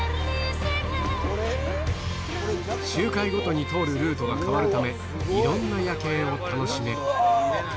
周回ごとに通るルートが変わるため、いろんな夜景を楽しめる。